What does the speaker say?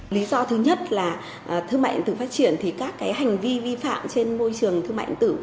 lý do thứ nhất là thương mại điện tử phát triển thì các cái hành vi vi phạm trên môi trường thương mại điện tử